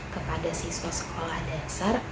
kepada siswa sekolah dasar